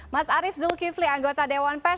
mas arief zulkifli anggota dewan pers